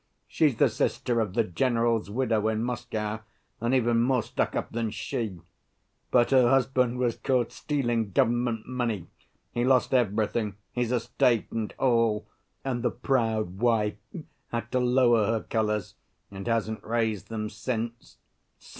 She's the sister of the general's widow in Moscow, and even more stuck‐up than she. But her husband was caught stealing government money. He lost everything, his estate and all, and the proud wife had to lower her colors, and hasn't raised them since.